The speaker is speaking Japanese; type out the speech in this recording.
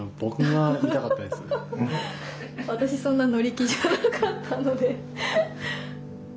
私そんな乗り気じゃなかったので。